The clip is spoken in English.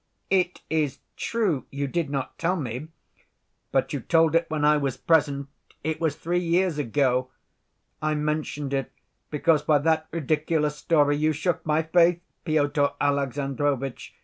"It is true you did not tell me, but you told it when I was present. It was three years ago. I mentioned it because by that ridiculous story you shook my faith, Pyotr Alexandrovitch.